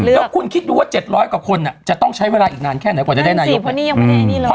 แล้วคุณคิดดูว่า๗๐๐กว่าคนจะต้องใช้เวลาอีกนานแค่ไหนกว่าจะได้นายก